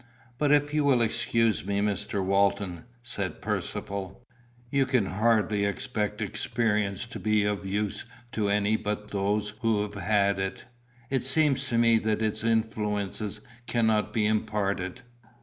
"But if you will excuse me, Mr. Walton," said Percivale, "you can hardly expect experience to be of use to any but those who have had it. It seems to me that its influences cannot be imparted."